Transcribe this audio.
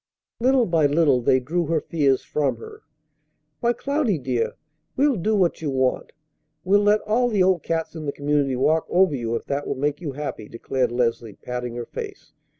Little by little they drew her fears from her. "Why, Cloudy, dear! We'll do what you want. We'll let all the old cats in the community walk over you if that will make you happy," declared Leslie, patting her face.